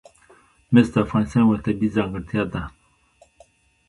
مس د افغانستان یوه طبیعي ځانګړتیا ده.